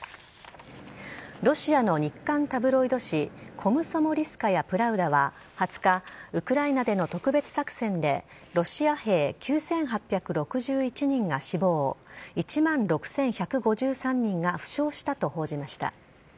ロシアの日刊タブロイド紙、コムソモリスカヤ・プラウダは２０日、ウクライナでの特別作戦で、ロシア兵９８６１人が死亡、１万６１５３人が負傷したと報じました。